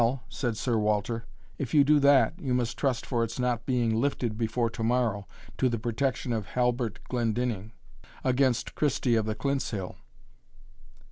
said Sir Walter, 'if you do that, you must trust for its not being lifted before to morrow, to the protection of Halbert Glendinning: against Christie of the Clintshill.'